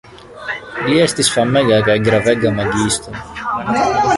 Li estis famega kaj gravega magiisto.